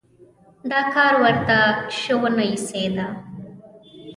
دا کار ورته شه ونه ایسېده.